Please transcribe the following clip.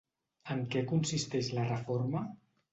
En què consisteix la reforma?